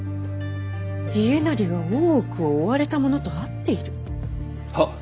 家斉が大奥を追われた者と会っている？は。